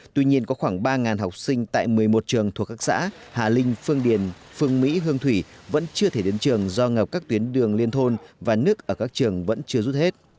tuy nhiên có khoảng ba học sinh tại một mươi một trường thuộc các xã hà linh phương điền phương mỹ hương thủy vẫn chưa thể đến trường do ngập các tuyến đường liên thôn và nước ở các trường vẫn chưa rút hết